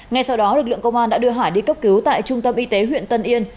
ngay sau đó lực lượng công an đã đưa hải đi cấp cứu tại trung tâm y tế huyện tân yên